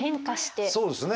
そうですね。